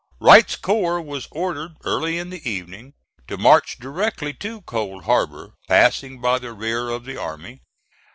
Wright's corps was ordered early in the evening to march directly to Cold Harbor passing by the rear of the army.